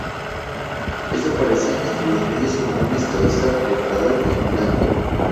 Este aparece ante los medios como un estadista preparado y contundente.